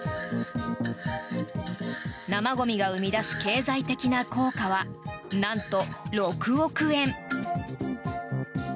生ゴミが生み出す経済的な効果はなんと、６億円。